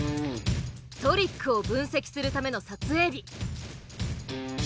トリックを分析するための撮影日。